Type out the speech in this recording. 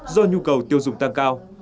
do nhu cầu tiêu dùng tăng cao